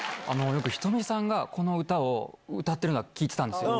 よく仁美さんが、この歌を歌っているのは聴いてたんですよ。